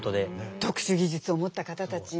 特殊技術を持った方たちの。